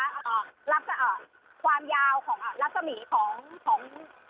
อ่ารับเอ่อความยาวของอ่ารัศมีของของ